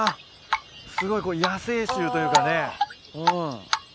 すごいこれ野生臭というかね。